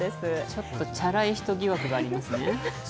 ちょっとチャラい人疑惑がありますね。